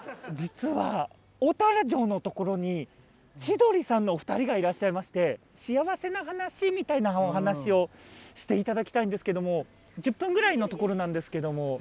実は大田原城の所に千鳥さんのお二人がいらっしゃいまして幸せな話みたいなお話をしていただきたいんですけども１０分ぐらいの所なんですけども。